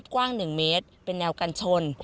กว้าง๑เมตรเป็นแนวกันชน